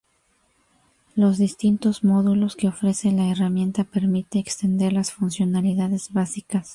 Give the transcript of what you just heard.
Los distintos módulos que ofrece la herramienta permiten extender las funcionalidades básicas.